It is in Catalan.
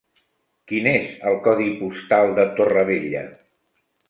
Quin és el codi postal de Torrevella?